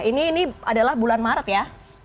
ini adalah bulan maret ya